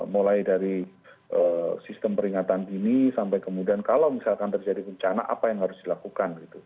mulai dari sistem peringatan dini sampai kemudian kalau misalkan terjadi bencana apa yang harus dilakukan